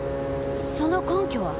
その根拠は？